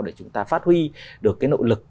để chúng ta phát huy được cái nội lực